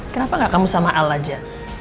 kenapa gak kamu sama al aja